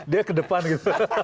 dia ke depan gitu